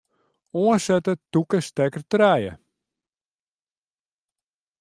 Oansette tûke stekker trije.